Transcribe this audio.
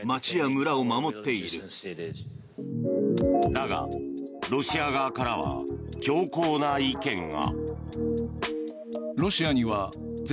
だが、ロシア側からは強硬な意見が。